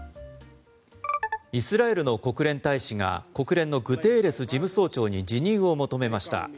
イスラエルの国連大使が国連のグテーレス事務総長に辞任を求めました。